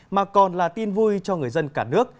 mà còn là tin vui cho người dân cả nước